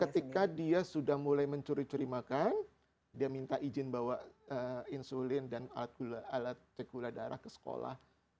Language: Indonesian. ketika dia sudah mulai mencuri curi makan dia minta izin bawa insulin dan alat cek gula darah ke sekolah